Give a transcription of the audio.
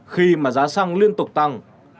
khi mà giá xăng liên tục tăng